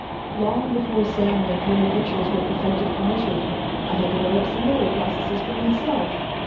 Long before sound and color pictures were perfected commercially, I had developed similar processes for myself.